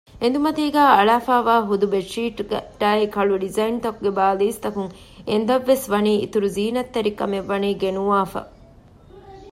އެނދުމަތީގައި އަޅާފައިވާ ހުދު ބެޑްޝީޓާއި ކަޅު ޑިޒައިންތަކުގެ ބާލީސް ތަކުން އެނދަށްވެސް ވަނީ އިތުރު ޒީނަތްތެރިކަމެއްވަނީ ގެނުވާފަ